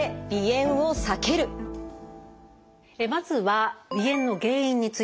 まずは鼻炎の原因についてです。